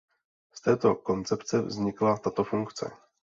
Z této koncepce vznikla tato funkce.